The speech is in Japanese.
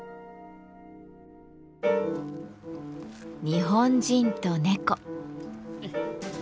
日本人と猫。